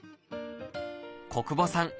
小久保さん